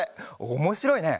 おもしろいね。